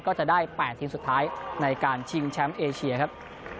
ก็จะได้๘ทีมสุดท้ายในการชิงแชมป์เอเชียครับ